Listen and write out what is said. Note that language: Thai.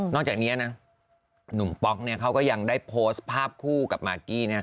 จากนี้นะหนุ่มป๊อกเขาก็ยังได้โพสต์ภาพคู่กับมากกี้